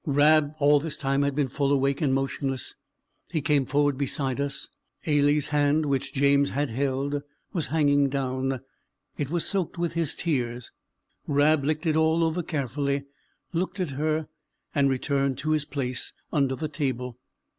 Rab all this time had been full awake and motionless; he came forward beside us: Ailie's hand, which James had held, was hanging down, it was soaked with his tears; Rab licked it all over carefully, looked at her, and returned to his place under the table.